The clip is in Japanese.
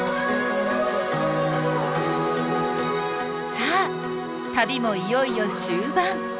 さあ旅もいよいよ終盤！